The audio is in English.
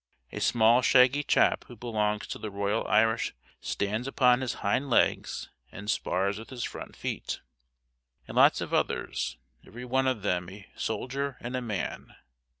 A small shaggy chap who belongs to the Royal Irish stands upon his hind legs and spars with his front feet and lots of others every one of them "a soldier and a man".